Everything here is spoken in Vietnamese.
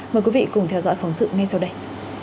mời quý vị cùng theo dõi phóng sự ngay sau đây